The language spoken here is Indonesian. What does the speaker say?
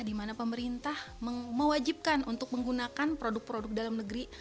di mana pemerintah mewajibkan untuk menggunakan produk produk dalam negeri